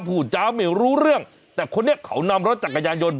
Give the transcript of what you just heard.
พูดจ้าไม่รู้เรื่องแต่คนนี้เขานำรถจักรยานยนต์